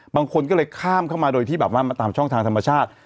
บางคนก็เลยข้ามเข้ามาโดยที่แบบว่ามาตามช่องทางธรรมชาติ